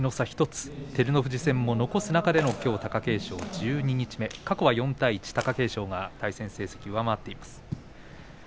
１つ照ノ富士戦を残す中での貴景勝、十二日目過去４対１で対戦成績は貴景勝が上回っています。